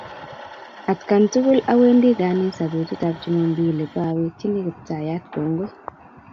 Atkan tukul awendi ganisa petut ap chumombili paawekchini Kiptaiyat kongoi.